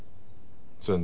全然。